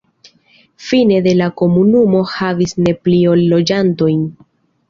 Fine de la komunumo havis ne pli ol loĝantojn.